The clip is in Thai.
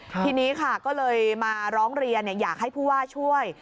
ทีนี้ค่ะก็เลยมาร้องเรียนอยากให้ผู้ว่าช่วย